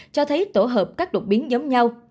cho thấy tổ hợp các đột biến giống nhau